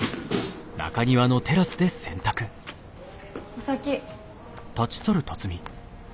お先。